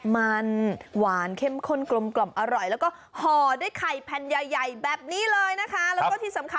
มันหวานเข้มข้มบรมอร่อยแล้วก็หอด้วยไข่แพนใหญ่แบบนี้เลยนะคะ